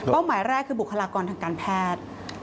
หมายแรกคือบุคลากรทางการแพทย์